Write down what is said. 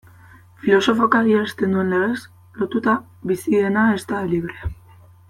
Filosofoak adierazten duen legez, lotuta bizi dena ez da librea.